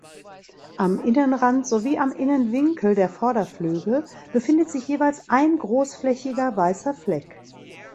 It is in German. Am Innenrand sowie am Innenwinkel der Vorderflügel befindet sich jeweils ein großflächiger weißer Fleck.